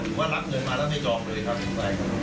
ว่ารับเงินมาแล้วไม่ยอมเลยครับ